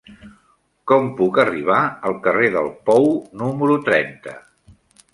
Com puc arribar al carrer del Pou número trenta?